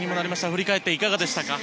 振り返っていかがでしたか？